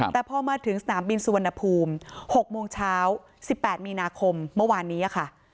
แต่พอมาถึงสนามบินสุวรรณภูมิ๖โมงเช้า๑๘มีนาคมเมื่อวานนี้ค่ะ